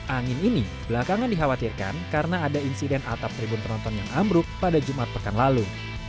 angin ini belakangan dikhawatirkan karena ada insiden atap tribun penonton yang ambruk pada jumat pekan lalu